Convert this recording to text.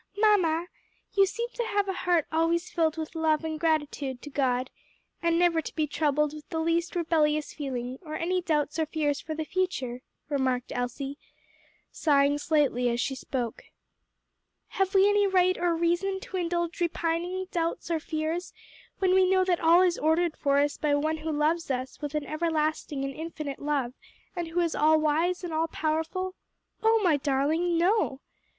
"Mamma, you seem to have a heart always filled with love and gratitude to God, and never to be troubled with the least rebellious feeling, or any doubts or fears for the future," remarked Elsie, sighing slightly as she spoke. "Have we any right or reason to indulge repining, doubts, or fears, when we know that all is ordered for us by One who loves us with an everlasting and infinite love, and who is all wise and all powerful? O my darling, no!